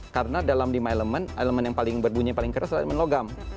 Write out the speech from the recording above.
karena dalam lima elemen elemen yang berbunyi paling keras adalah elemen logam